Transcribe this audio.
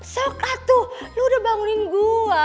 sok lah tuh lo udah bangunin gue